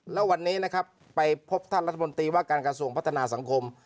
แล้ววันนี้นะครับไปพบท่านรัฐมนตรีว่าการกระทรวงพัฒนาสังคม